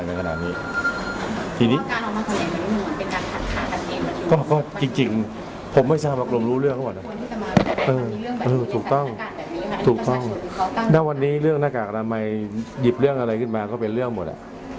ณถูกต้องถูกต้องณวันนี้เรื่องหน้ากากอนามัยหยิบเรื่องอะไรขึ้นมาก็เป็นเรื่องหมด